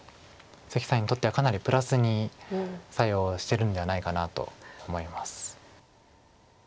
関さんにとってはかなりプラスに作用してるんではないかなと思います。